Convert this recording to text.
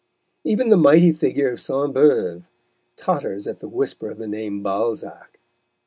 Even the mighty figure of Sainte Beuve totters at the whisper of the name Balzac.